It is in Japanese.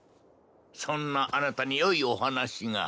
そんなあなたに良いお話が。